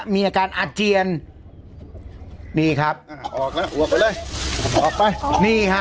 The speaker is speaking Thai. มีอาการอาจเจียนนี่ครับออกเลยออกไปออกไปนี่ฮะอ๋อ